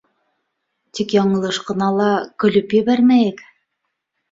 Тик яңылыш ҡына ла көлөп ебәрмәйек.